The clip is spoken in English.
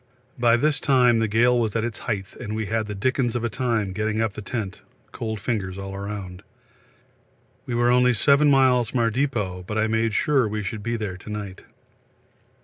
By this time the gale was at its height and we had the dickens of a time getting up the tent, cold fingers all round. We are only 7 miles from our depot, but I made sure we should be there to night.